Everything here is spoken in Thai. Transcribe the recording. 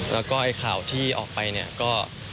แล้วก็ไอ้ข่าวที่ออกไปเนี่ยก็